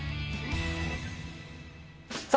さあ